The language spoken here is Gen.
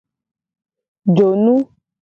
Jonu.